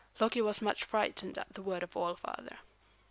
Loki was much frightened at the word of All Father.